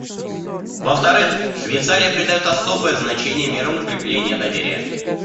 Во-вторых, Швейцария придает особое значение мерам укрепления доверия.